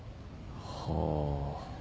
はあ。